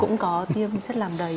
cũng có tiêm chất làm đầy